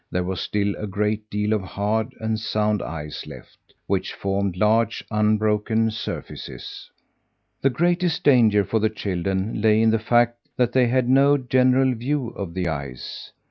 There was still a great deal of hard and sound ice left, which formed large, unbroken surfaces. The greatest danger for the children lay in the fact that they had no general view of the ice.